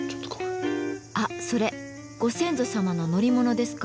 あっそれご先祖様の乗り物ですか？